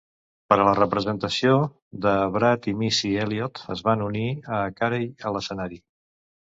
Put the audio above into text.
Per a la representació, Da Brat i Missy Elliott es van unir a Carey a l'escenari.